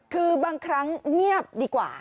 คือบางครั้งเงียบดีกว่า